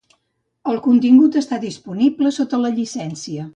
El contingut està disponible sota la llicència.